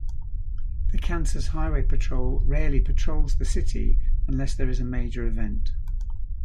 The Kansas Highway Patrol rarely patrols the city unless there is a major event.